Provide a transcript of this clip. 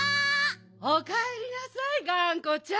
おかえりなさいがんこちゃん。